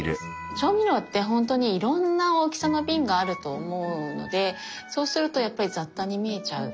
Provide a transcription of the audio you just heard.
調味料ってほんとにいろんな大きさの瓶があると思うのでそうするとやっぱり雑多に見えちゃうと思うので。